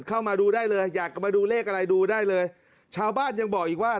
เข้ามาดูได้เลยอยากจะมาดูเลขอะไรดูได้เลยชาวบ้านยังบอกอีกว่า